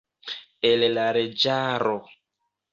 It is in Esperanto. El la leĝaro.